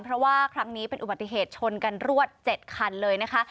เพราะว่าครั้งนี้เป็นอุบัติเหตุชนกันรวด๗คันเลยนะคะ